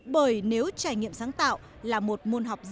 bởi nếu trải nghiệm sáng tạo là một môn học giáo dục